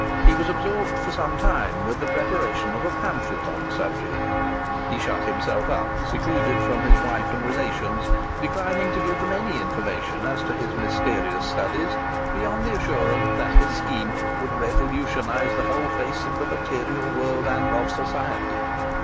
He was absorbed for some time with the preparation of a pamphlet on the subject. He shut himself up, secluded from his wife and relations, declining to give them any information as to his mysterious studies, beyond the assurance that his scheme "would revolutionise the whole face of the material world and of society."